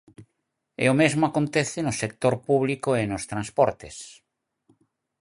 E o mesmo acontece no sector público e nos transportes.